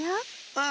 うん！